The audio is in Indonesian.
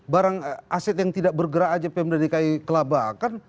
barang aset yang tidak bergerak aja pmdki kelabakan